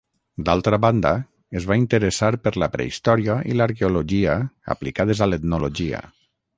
D'altra banda, es va interessar per la prehistòria i l'arqueologia aplicades a l'etnologia.